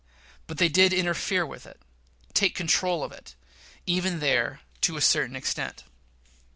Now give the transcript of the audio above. But they did interfere with it take control of it even there, to a certain extent.